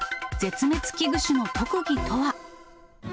絶滅危惧種の特技とは？